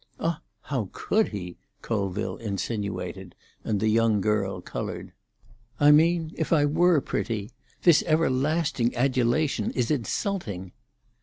"Ah, how could he be?" Colville insinuated, and the young girl coloured. "I mean, if I were pretty. This everlasting adulation is insulting."